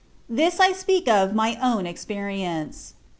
This I speak of my own experience."